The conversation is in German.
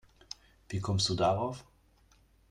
Wie kommst du darauf?